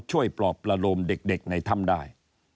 ปลอบประโลมเด็กในถ้ำได้